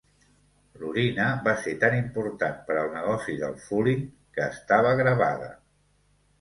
L'orina va ser tan important per al negoci del "fulling" que estava gravada.